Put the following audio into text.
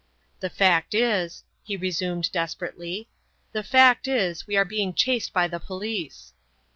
"The fact is," he resumed, desperately, "the fact is, we are being chased by the police."